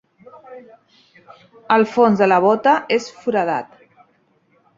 El fons de la bota és foradat.